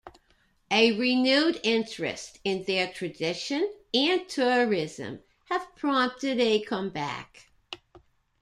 A renewed interest in their tradition and tourism have prompted a comeback.